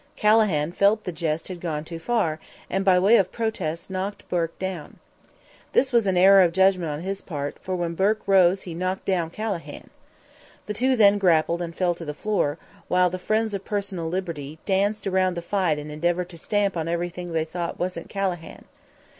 Calahan felt that the jest had gone too far, and by way of protest knocked Bourke down. This was an error of judgment on his part, for when Bourke arose he knocked down Calahan. The two then grappled and fell on the floor, while the "friends of personal liberty" danced around the fight and endeavored to stamp on everything they thought wasn't Calahan.